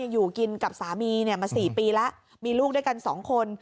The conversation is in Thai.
อยู่กินกับสามีมา๔ปีแล้วมีลูกด้วยกัน๒คน